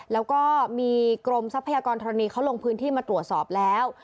แล้วก็มีกรมทรัพยากรธรณีเขาลงพื้นที่มาตรวจสอบแล้ว